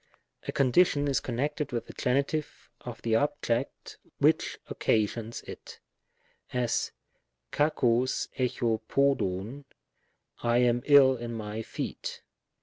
A condition is connected with the Gen. of the object which occasions it ; as, xdxcog ix^o TtoScovy " I am ill in my feet.''